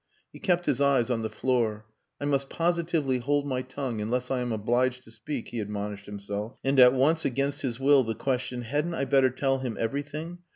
He kept his eyes on the floor. "I must positively hold my tongue unless I am obliged to speak," he admonished himself. And at once against his will the question, "Hadn't I better tell him everything?"